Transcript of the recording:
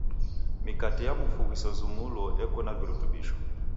Mikate ya mufu ghusezumulo eko na virutubisho.